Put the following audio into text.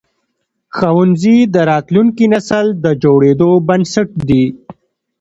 ښوونځي د راتلونکي نسل د جوړېدو بنسټ دي.